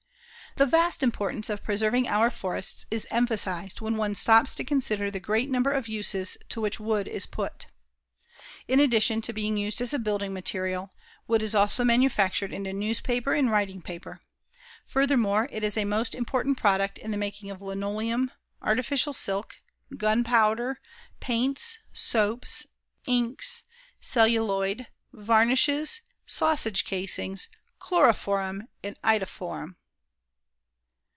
The vast importance of preserving our forests is emphasized when one stops to consider the great number of uses to which wood is put. In addition to being used as a building material, wood is also manufactured into newspaper and writing paper. Furthermore, it is a most important product in the making of linoleum, artificial silk, gunpowder, paints, soaps, inks, celluloid, varnishes, sausage casings, chloroform and iodoform.